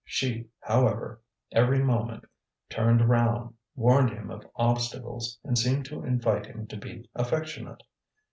She, however, every moment turned round, warned him of obstacles, and seemed to invite him to be affectionate.